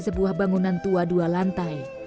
sebuah bangunan tua dua lantai